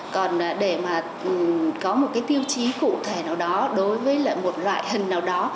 còn để mà có một cái tiêu chí cụ thể nào đó đối với một loại hình nào đó